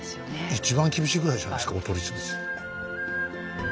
一番厳しいぐらいじゃないですかお取り潰し。